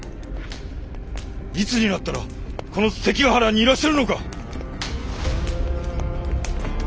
いつになったらこの関ヶ原にいらっしゃるのか！